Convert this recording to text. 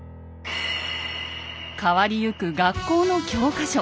変わりゆく学校の教科書。